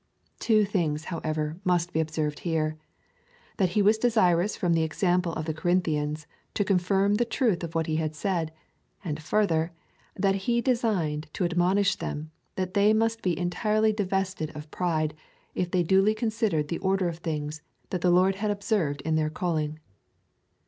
Two things, however, must be observed here — that he was desirous from the example of the Corinthians to confirm the truth of what he had said : and farther, that he designed to admonish them, that they must be entirely divested of pride, if they duly considered the order of things that the Lord had observed in their calling.